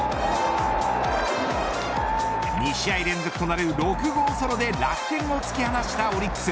２試合連続となる６号ソロで楽天を突き放したオリックス。